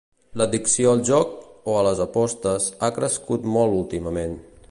L'addicció al joc, o a les apostes, ha crescut molt últimament.